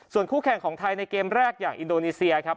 ส่วนคู่แข่งของไทยในเกมแรกอย่างอินโดนีเซียครับ